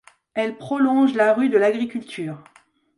Elle prolonge la rue de l'Agriculture.